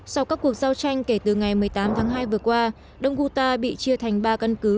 sau các cuộc giao tranh kể từ ngày một mươi tám tháng hai vừa qua đông guta bị chia thành ba căn cứ